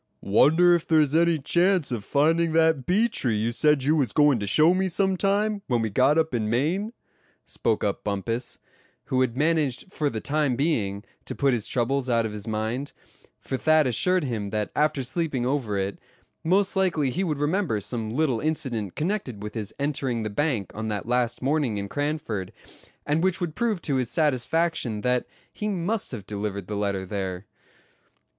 "Wonder if there's any chance of finding that bee tree you said you was goin' to show me some time, when we got up in Maine?" spoke up Bumpus; who had managed for the time being to put his troubles out of his mind; for Thad assured him that after sleeping over it, most likely he would remember some little incident connected with his entering the bank on that last morning in Cranford, and which would prove to his satisfaction that he must have delivered the letter there.